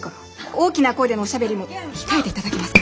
大きな声でのおしゃべりも控えて頂けますか。